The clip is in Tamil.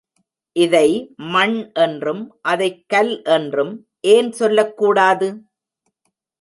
இதை மண் என்றும், அதைக் கல் என்றும் ஏன் சொல்லக்கூடாது?